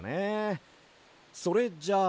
それじゃあ。